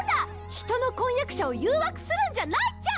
人の婚約者を誘惑するんじゃないっちゃ！